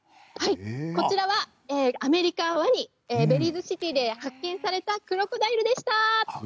こちらはアメリカワニベリーズシティで発見されたクロコダイルでした。